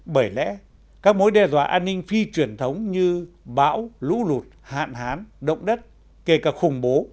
bởi lẽ các mối đe dọa an ninh phi truyền thống như bão lũ lụt hạn hán động đất kể cả khủng bố